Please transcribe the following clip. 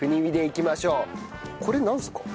これなんですか？